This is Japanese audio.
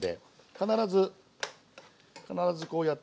必ず必ずこうやって。